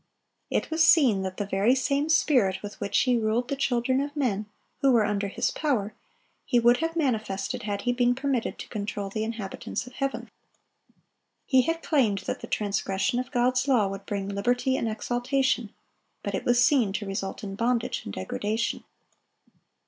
It was seen that the very same spirit with which he ruled the children of men, who were under his power, he would have manifested had he been permitted to control the inhabitants of heaven. He had claimed that the transgression of God's law would bring liberty and exaltation; but it was seen to result in bondage and degradation.